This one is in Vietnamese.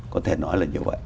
có thể nói là như vậy